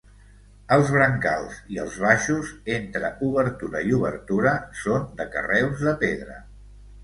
Els brancals i els baixos, entre obertura i obertura, són de carreus de pedra.